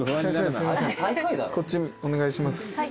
こっちお願いします。